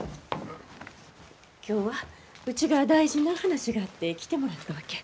今日はうちが大事な話があって来てもらったわけ。